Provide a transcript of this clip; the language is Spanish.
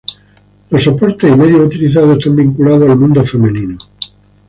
Los soportes y medios utilizados están vinculados al mundo femenino.